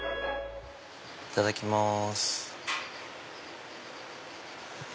いただきます。